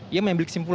ia memiliki kesimpulan